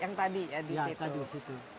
yang tadi ya disitu